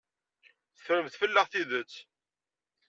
Teffremt fell-aɣ tidet.